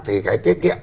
thì cái tiết kiệm